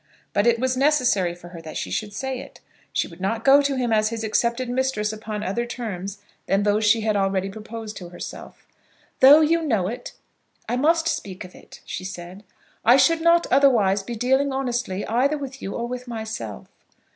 But it was necessary for her that she should say it. She would not go to him as his accepted mistress upon other terms than those she had already proposed to herself. "Though you know it, I must speak of it," she said. "I should not, otherwise, be dealing honestly either with you or with myself.